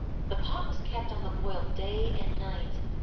The pot was kept on the boil day and night.